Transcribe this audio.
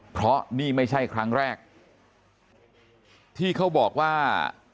เพราะนี่ไม่ใช่ครั้งแรกที่เขาบอกว่า